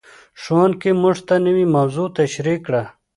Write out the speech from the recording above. ښوونکی موږ ته نوې موضوع تشریح کړه.